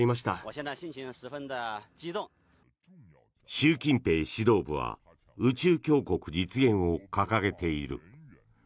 習近平指導部は宇宙強国実現を掲げている。